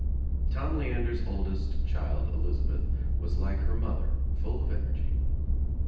Tom Leander's oldest child, Elizabeth, was like her other, full of energy.